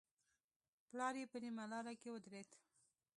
پلار يې په نيمه لاره کې ودرېد.